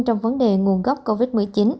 trong vấn đề nguồn gốc covid một mươi chín